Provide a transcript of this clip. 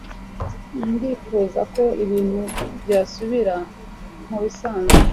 Ndifuza ko ibintu byasubira mubisanzwe